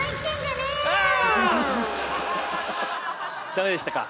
ダメでしたか。